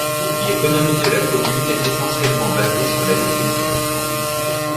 L'économie de la commune est essentiellement basée sur l'agriculture.